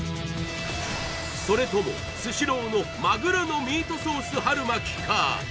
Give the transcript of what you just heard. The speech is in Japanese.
それともスシローのまぐろのミートソース春巻きか？